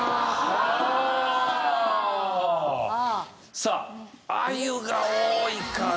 さああゆが多いかな。